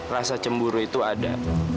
rasa cemburu itu ada